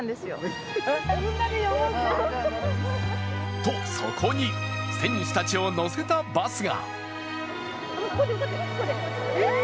とそこに、選手たちを乗せたバスが。